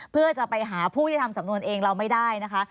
เพื่อจะไปหาผู้ที่ทำสำนวนเองเราไม่ได้นะคะ